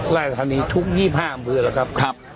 แรกทรียมนี้ทุก๒๕อำเมิดแล้วครับ